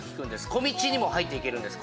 小道にも入っていけるんです。